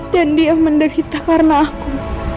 dia menderita karena aku